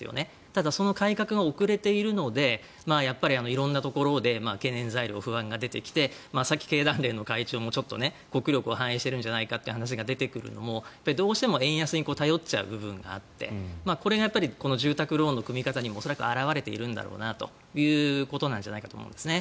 ただ、その改革が遅れているのでやっぱり色んなところで懸念材料、不安が出てきてさっき経団連の会長も、ちょっと国力を反映しているのではないかという話が出てくるのも、どうしても円安に頼っちゃう部分があってこれがこの住宅ローンの組み方にも表れているんだろうなということなんじゃないかと思うんですね。